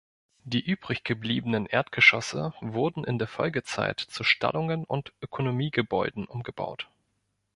Die übriggebliebenen Erdgeschosse wurden in der Folgezeit zu Stallungen und Ökonomiegebäuden umgebaut.